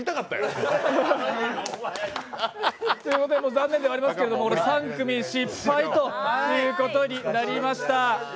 残念ではありますけれども、３組失敗となりました。